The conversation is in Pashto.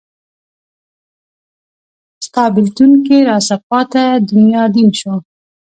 ستا بیلتون کې راڅه پاته دنیا دین شو